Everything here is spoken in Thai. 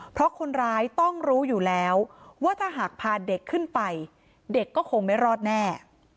เพราะคนร้ายต้องรู้อยู่แล้วว่าถ้าหากพาเด็กขึ้นไปเด็กก็คงไม่รอดแน่